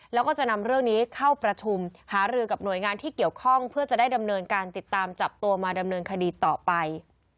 แล้วก็จะนำเรื่องนี้เข้าประชุมหารือกับหน่วยงานที่เกี่ยวข้องเพื่อจะได้ดำเนินการติดตามจับตัวมาดำเนินคดีต่อไป